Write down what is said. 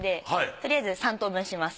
とりあえず３等分します。